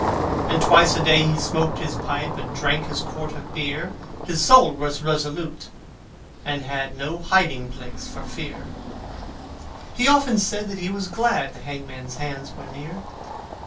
And twice a day he smoked his pipe, And drank his quart of beer: His soul was resolute, and held No hiding place for fear; He often said that he was glad The hangman's day was near.